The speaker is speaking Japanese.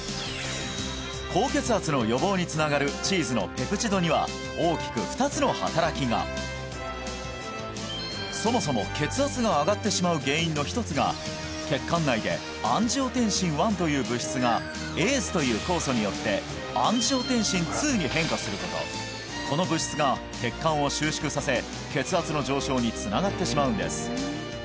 高血圧の予防につながるチーズのペプチドには大きく２つの働きがそもそも血圧が上がってしまう原因の一つが血管内でアンジオテンシンⅠという物質がＡＣＥという酵素によってアンジオテンシンⅡに変化することこの物質が血管を収縮させ血圧の上昇につながってしまうんです